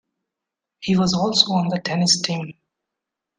He was also on the tennis team.